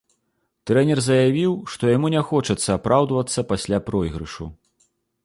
Трэнер заявіў, што яму не хочацца апраўдвацца пасля пройгрышу.